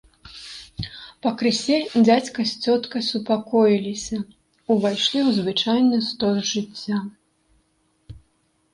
Пакрысе дзядзька з цёткай супакоіліся, увайшлі ў звычайны стос жыцця.